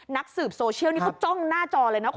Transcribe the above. นักสืบโซเชียลนี่เขาจ้องหน้าจอเลยนะคุณ